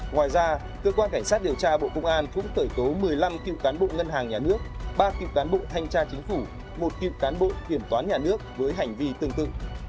ngoài ra cơ quan cảnh sát điều tra bộ công an cũng tẩy tố một mươi năm cựu cán bộ ngân hàng nhà nước ba cựu cán bộ thanh tra chính phủ một cựu cán bộ kiểm toán nhà nước với hành vi tương tự